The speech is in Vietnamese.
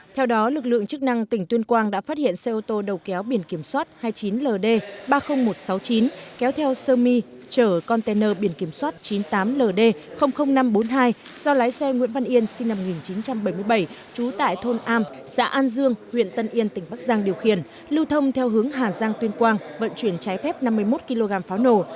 theo đó lực lượng chức năng tỉnh tuyên quang đã phát hiện xe ô tô đầu kéo biển kiểm soát hai mươi chín ld ba mươi nghìn một trăm sáu mươi chín kéo theo sơ mi trở container biển kiểm soát chín mươi tám ld năm trăm bốn mươi hai do lái xe nguyễn văn yên sinh năm một nghìn chín trăm bảy mươi bảy trú tại thôn am xã an dương huyện tân yên tỉnh bắc giang điều khiển lưu thông theo hướng hà giang tuyên quang vận chuyển trái phép năm mươi một kg pháo nổ